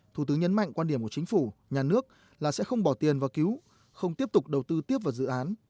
thủ tướng nhấn mạnh quan điểm của chính phủ nhà nước là sẽ không bỏ tiền vào cứu không tiếp tục đầu tư tiếp vào dự án